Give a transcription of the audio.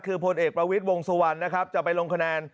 คือพลเอกประวิทย์วงสุวรรณนะครับจะไปลงคะแนน